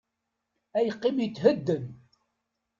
Ad yeqqim yethedden.